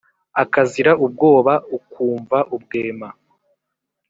Ukazira ubwoba ukwumva ubwema